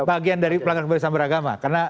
bagian dari pelanggan kembali sambar agama karena